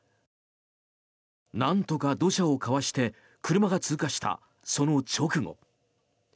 なんとか土砂をかわして車が通過した、その直後。